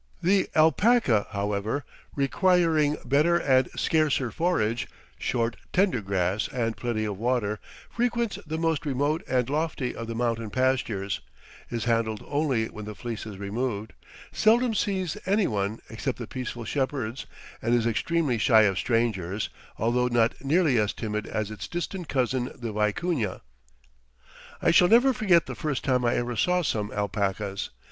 The alpaca, however, requiring better and scarcer forage short, tender grass and plenty of water frequents the most remote and lofty of the mountain pastures, is handled only when the fleece is removed, seldom sees any one except the peaceful shepherds, and is extremely shy of strangers, although not nearly as timid as its distant cousin the vicuña. I shall never forget the first time I ever saw some alpacas.